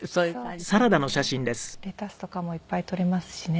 レタスとかもいっぱい採れますしね。